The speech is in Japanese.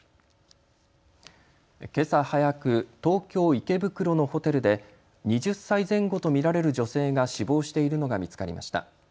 けさ早く、東京池袋のホテルで２０歳前後と見られる女性が死亡しているのが見つかりました。